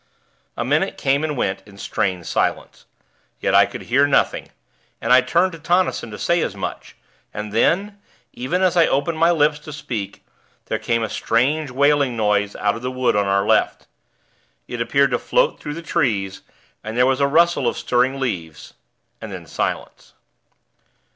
A minute came and went in strained silence; yet I could hear nothing, and I turned to Tonnison to say as much; and then, even as I opened my lips to speak, there came a strange wailing noise out of the wood on our left.... It appeared to float through the trees, and there was a rustle of stirring leaves, and then silence.